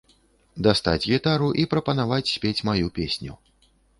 Дастаць гітару і прапанаваць спець маю песню.